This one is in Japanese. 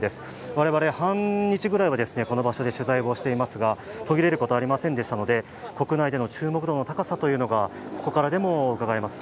我々、半日ぐらいはこの場所で取材をしていますが、途切れることはありませんでしたので国内での注目度の高さがここからでも、うかがえます。